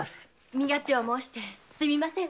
身勝手を申してすみません。